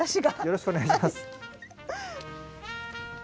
よろしくお願いします。